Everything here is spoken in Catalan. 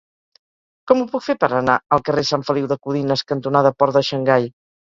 Com ho puc fer per anar al carrer Sant Feliu de Codines cantonada Port de Xangai?